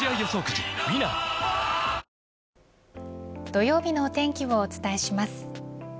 土曜日のお天気をお伝えします。